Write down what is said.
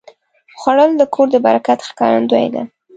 خوړل د کور د برکت ښکارندویي ده